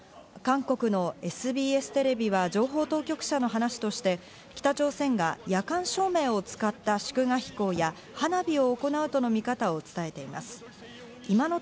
韓国のＳＢＳテレビは情報当局者の話として北朝鮮が夜間照明を使った祝賀飛行や、花火を行うとの見方を伝えています。